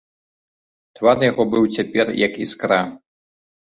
Твар яго быў цяпер як іскра.